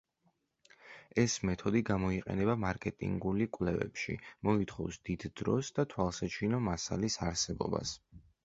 ეს მეთოდი გამოიყენება მარკეტინგული კვლევებში, მოითხოვს დიდ დროს და „თვალსაჩინო მასალის“ არსებობას.